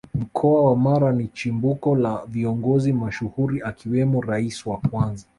Mkoa wa Mara ni chimbuko la Viongozi mashuhuri akiwemo Rais wa kwanza